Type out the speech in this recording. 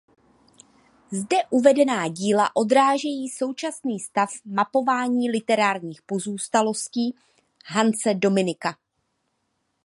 Zde uvedená díla odrážejí současný stav mapování literární pozůstalosti Hanse Dominika.